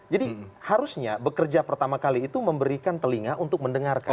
jadi harusnya bekerja pertama kali itu memberikan telinga untuk mendengarkan